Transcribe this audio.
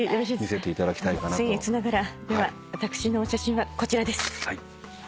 せんえつながらでは私の写真はこちらです。